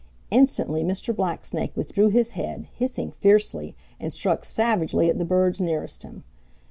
Instantly Mr. Blacksnake withdrew his head, hissing fiercely, and struck savagely at the birds nearest him.